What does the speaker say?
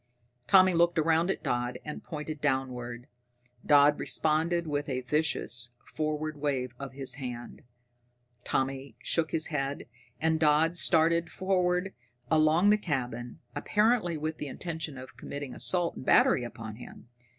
Tommy looked around at Dodd and pointed downward. Dodd responded with a vicious forward wave of his hand. Tommy shook his head, and Dodd started forward along the cabin, apparently with the intention of committing assault and battery upon him.